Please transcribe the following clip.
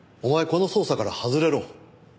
この捜査から外れろ。